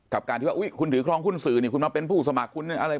กับการที่ว่าคุณถือครองหุ้นสื่อนี่คุณมาเป็นผู้สมัครคุณอะไร